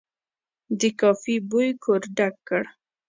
د کافي بوی کور ډک کړ.